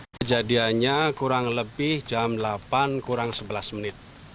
kejadiannya kurang lebih jam delapan kurang sebelas menit